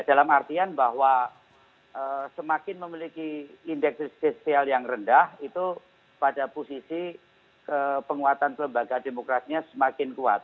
dalam artian bahwa semakin memiliki indeks sosial yang rendah itu pada posisi penguatan lembaga demokrasinya semakin kuat